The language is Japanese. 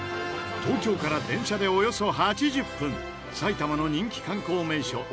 東京から電車でおよそ８０分埼玉の人気観光名所